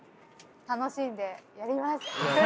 楽しんでやります！